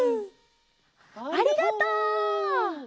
ありがとう！